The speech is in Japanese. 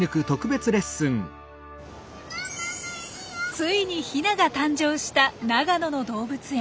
ついにヒナが誕生した長野の動物園。